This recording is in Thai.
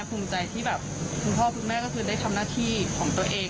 ภูมิใจที่แบบคุณพ่อคุณแม่ก็คือได้ทำหน้าที่ของตัวเอง